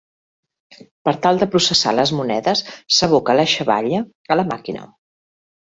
Per tal de processar les monedes, s'aboca la xavalla a la màquina.